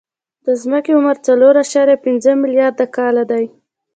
د ځمکې عمر څلور اعشاریه پنځه ملیارده کاله دی.